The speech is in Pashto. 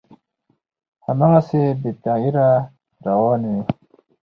هماغسې بې تغییره روان وي،